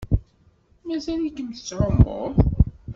Mazal-ikem tettɛummuḍ?